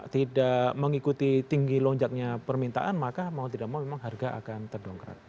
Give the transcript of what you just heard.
tidak mengikuti tinggi lonjaknya permintaan maka mau tidak mau memang harga akan terdongkrak